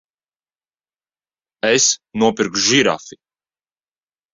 Es nopirku žirafi!